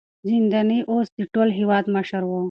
زنداني اوس د ټول هېواد مشر و.